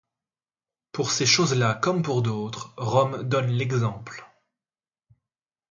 Pour ces choses-là comme pour d'autres, Rome donne l'exemple.